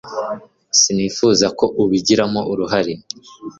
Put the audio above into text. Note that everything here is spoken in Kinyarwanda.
sinifuzaga ko ubigiramo uruhare